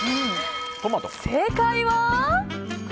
正解は。